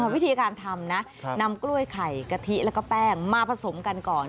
วิธีการทำนะนำกล้วยไข่กะทิแล้วก็แป้งมาผสมกันก่อน